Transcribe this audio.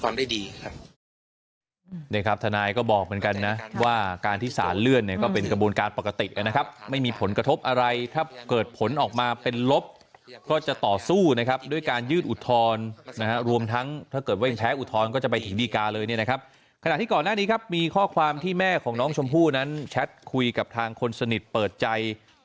นี่ครับทนายก็บอกเหมือนกันนะว่าการที่สารเลื่อนเนี่ยก็เป็นกระบวนการปกตินะครับไม่มีผลกระทบอะไรถ้าเกิดผลออกมาเป็นลบก็จะต่อสู้นะครับด้วยการยื่นอุทธรณ์นะฮะรวมทั้งถ้าเกิดว่ายังใช้อุทธรณ์ก็จะไปถึงดีการเลยเนี่ยนะครับขณะที่ก่อนหน้านี้ครับมีข้อความที่แม่ของน้องชมพู่นั้นแชทคุยกับทางคนสนิทเปิดใจ